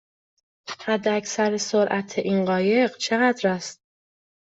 حداکثر سرعت این قایق چقدر است؟